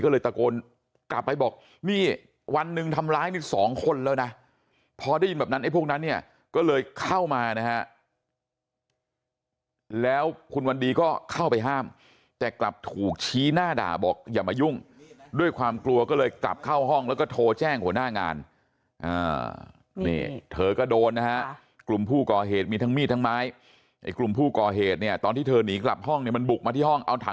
ก็เลยตะโกนกลับไปบอกนี่วันหนึ่งทำร้ายนี่สองคนแล้วนะพอได้ยินแบบนั้นไอ้พวกนั้นเนี่ยก็เลยเข้ามานะฮะแล้วคุณวันดีก็เข้าไปห้ามแต่กลับถูกชี้หน้าด่าบอกอย่ามายุ่งด้วยความกลัวก็เลยกลับเข้าห้องแล้วก็โทรแจ้งหัวหน้างานนี่เธอก็โดนนะฮะกลุ่มผู้ก่อเหตุมีทั้งมีดทั้งไม้ไอ้กลุ่มผู้ก่อเหตุเนี่ยตอนที่เธอหนีกลับห้องเนี่ยมันบุกมาที่ห้องเอาถัง